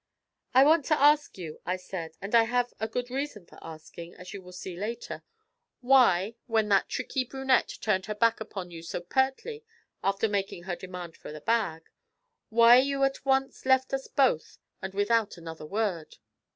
'I want to ask you,' I said, 'and I have a good reason for asking, as you will see later, why, when that tricky brunette turned her back upon you so pertly after making her demand for the bag why you at once left us both and without another word?